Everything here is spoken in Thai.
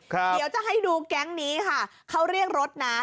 เดี๋ยวจะให้ดูแก๊งนี้ค่ะเขาเรียกรถนะ